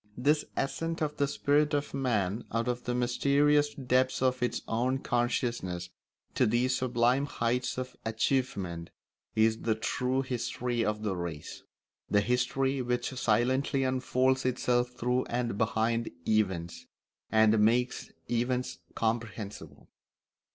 This ascent of the spirit of man out of the mysterious depths of its own consciousness to these sublime heights of achievement is the true history of the race; the history which silently unfolds itself through and behind events, and makes events comprehensible.